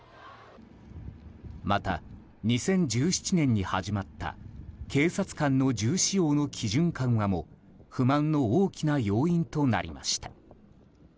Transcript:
また、２０１７年から始まった警察官の銃使用の基準緩和も不満の大きな要因となりました。